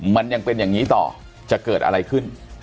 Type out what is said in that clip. มันยังเป็นอย่างนี้ต่อจะเกิดอะไรขึ้น